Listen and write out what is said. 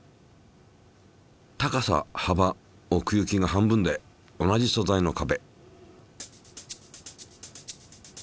高さはば奥行きが半分で同じ素材の壁。